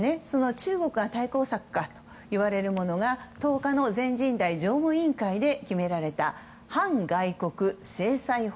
中国の対抗策といわれるものが１０日の全人代常務委員会で決められた、反外国制裁法。